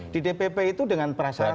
di dpp itu dengan prasarana